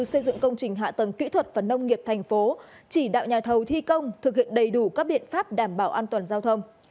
xây dựng công trình hạ tầng kỹ thuật và nông nghiệp thành phố chỉ đạo nhà thầu thi công thực hiện đầy đủ các biện pháp đảm bảo an toàn giao thông